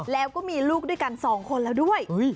แล้วก็มีลูกด้วยกัน๒คนแล้วด้วย